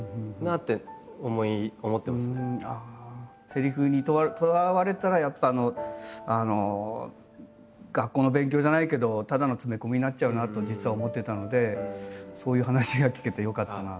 セリフにとらわれたらやっぱ学校の勉強じゃないけどただの詰め込みになっちゃうなと実は思ってたのでそういう話が聞けてよかったな。